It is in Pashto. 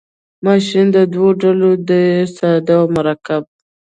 ماشین په دوه ډوله دی ساده او مرکب.